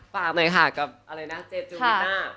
ฝากหน่อยค่ะกับเจจูวิต้า